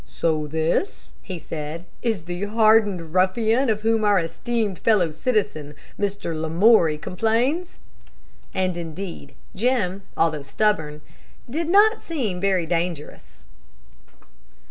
"So this," he said, "is the hardened ruffian of whom our esteemed fellow citizen, Mr. Lamoury, complains?" And indeed Jim, although stubborn, did not seem very dangerous.